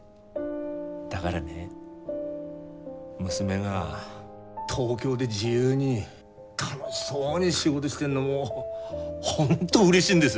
だがらね娘が東京で自由に楽しそうに仕事してんのもう本当うれしいんです。